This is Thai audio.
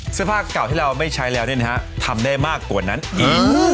เสื้อผ้าเก่าที่เราไม่ใช้แล้วทำได้มากกว่านั้นอีก